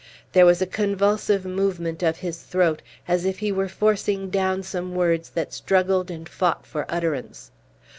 There was a convulsive movement of his throat, as if he were forcing down some words that struggled and fought for utterance.